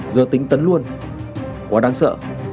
giờ tính tấn luôn quá đáng sợ